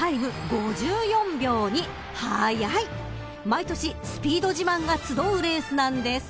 ［毎年スピード自慢が集うレースなんです］